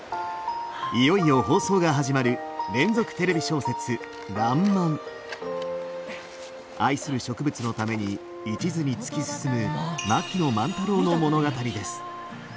いよいよ放送が始まる愛する植物のために一途に突き進む槙野万太郎の物語です。